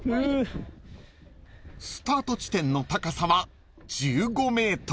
［スタート地点の高さは１５ｍ］